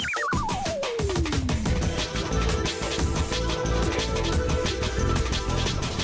สวัสดีค่ะ